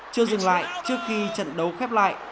chưa dừng lại trước khi trận đấu khép lại